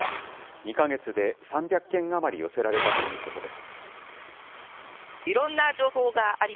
２か月で３００件余り寄せられたということです。